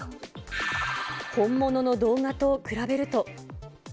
本物の動画と比べると。